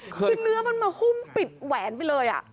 คือเนื้อมันมาหุ้มปิดแหวนไปเลย